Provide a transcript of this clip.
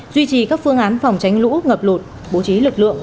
duy trì các phương án phòng tránh lũ ngập lụt bố trí lực lượng